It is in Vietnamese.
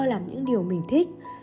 làm những điều mình thích